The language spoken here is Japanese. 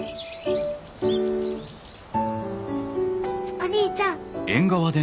お兄ちゃん。